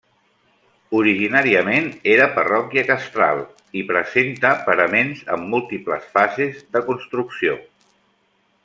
Originàriament era parròquia castral, i presenta paraments amb múltiples fases de construcció.